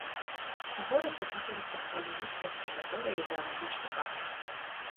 У горадзе знаходзіцца астранамічная абсерваторыя і заалагічны парк.